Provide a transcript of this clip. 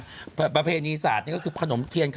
ขนมไหว้พระจันตอนนี้เกี่ยวไหมขนมไหว้พระจันตอนนี้เกี่ยวไหม